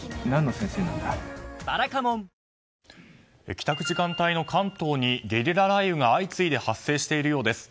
帰宅時間帯の関東にゲリラ雷雨が相次いで発生しているようです。